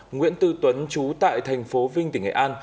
nguyễn tư tuấn chú tại thành phố vinh tỉnh nghệ an